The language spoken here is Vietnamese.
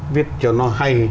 viết cho nó hay